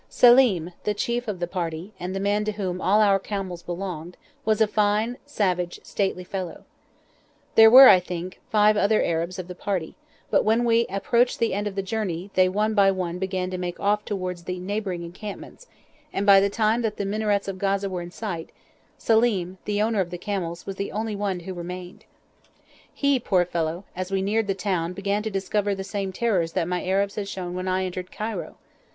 Selim, the chief of the party, and the man to whom all our camels belonged, was a fine, savage, stately fellow. There were, I think, five other Arabs of the party, but when we approached the end of the journey they one by one began to make off towards the neighbouring encampments, and by the time that the minarets of Gaza were in sight, Selim, the owner of the camels, was the only one who remained. He, poor fellow, as we neared the town began to discover the same terrors that my Arabs had shown when I entered Cairo.